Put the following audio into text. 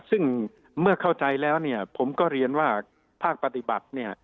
ซึ่งเมื่อเข้าใจแล้วเนี่ยผมก็เรียนว่าภาคปฏิบัติ